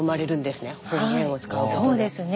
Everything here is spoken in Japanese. そうですね。